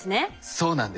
そうなんです。